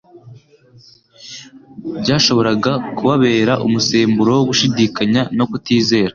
byashoboraga kubabera umusemburo wo gushidikanya no kutizera,